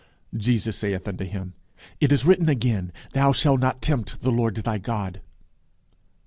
Jesus said unto him, It is written again, thou shall not tempt the Lord thy God.